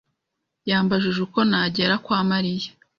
yambajije uko nagera kwa Mariya.